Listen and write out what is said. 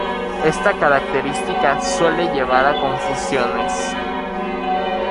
Esta característica suele llevar a confusiones.